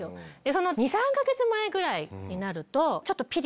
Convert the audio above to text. その２３か月前ぐらいになるとちょっと。